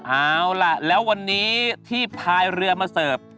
เอาล่ะแล้ววันนี้ที่พายเรือมาเสิร์ฟ